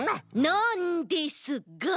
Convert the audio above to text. なんですが！